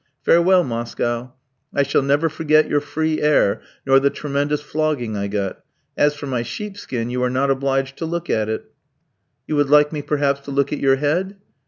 Farewell, Moscow, I shall never forget your free air, nor the tremendous flogging I got. As for my sheepskin, you are not obliged to look at it." "You would like me, perhaps, to look at your head?"